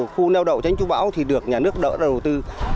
khu neo đậu tránh chú bão thì được nhà nước đỡ ra đầu tư